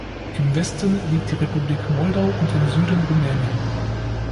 Im Westen liegt die Republik Moldau und im Süden Rumänien.